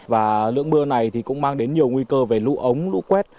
và lượng mưa này thì cũng mang đến nhiều nguy cơ về lũ ống lũ quét